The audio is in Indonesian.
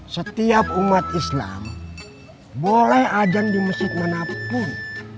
setiap umat islam boleh ajan di masjid manapun